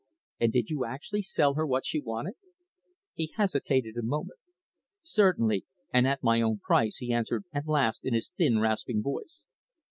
"And did you actually sell her what she wanted?" He hesitated a moment. "Certainly, and at my own price," he answered at last in his thin, rasping voice.